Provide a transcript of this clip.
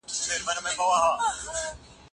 د موضوع د څيړني لپاره یو ځانګړی جوړښت پکار دی.